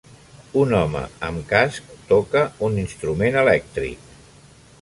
Un home amb casc toca un instrument elèctric.